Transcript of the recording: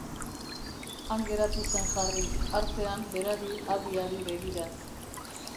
Han geratu zen Harry, artean berari adi-adi begira.